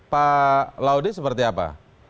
pak laudi seperti apa